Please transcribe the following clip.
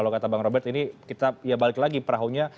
kalau kata bang robert ini kita ya balik lagi perahunya